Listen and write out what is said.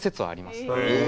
へえ。